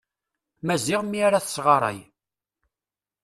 Maziɣ mi ara tesɣaray.